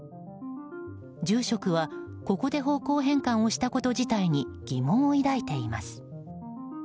住職は、ここで方向変換をしたこと自体に疑問を抱いています。